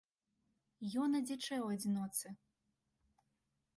Ён адзічэў у адзіноце.